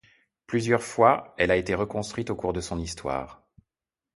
Plusieurs fois, elle a été reconstruite au cours de son histoire.